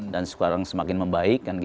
dan sekarang semakin membaik